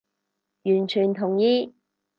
完全同意